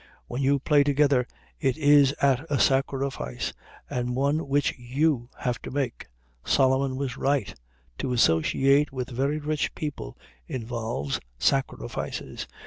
When you play together it is at a sacrifice, and one which you have to make. Solomon was right. To associate with very rich people involves sacrifices.